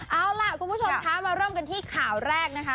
เอาล่ะคุณผู้ชมคะมาเริ่มกันที่ข่าวแรกนะคะ